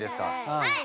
はい！